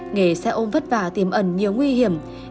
nghề xe ôm vất vả tìm ẩn nhiều nguy hiểm